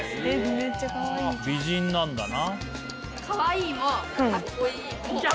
美人なんだな。